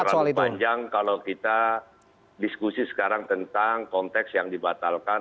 terlalu panjang kalau kita diskusi sekarang tentang konteks yang dibatalkan